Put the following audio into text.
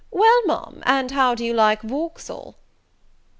Well, Ma'am, and how do you like Vauxhall?"